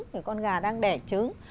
ví dụ như con gà đang đẻ trứng